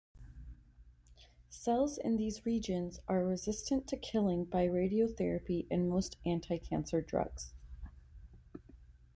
Cells in these regions are resistant to killing by radiotherapy and most anticancer drugs.